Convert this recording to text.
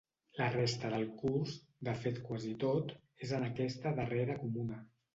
La resta del curs, de fet quasi tot, és en aquesta darrera comuna.